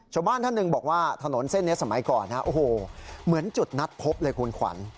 ชาวบ้านท่านหนึ่งบอกว่าถนนเส้นนี้สมัยก่อนนะโอ้โหเหมือนจุดนัดพบเลยคุณขวัญ